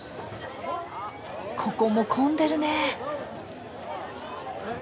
ここも混んでるね。